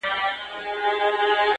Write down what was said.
درد هېڅکله بشپړ نه ختمېږي تل,